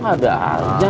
kok ada aja